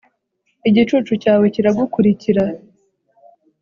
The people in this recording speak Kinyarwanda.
igicucu cyawe kiragukurikira,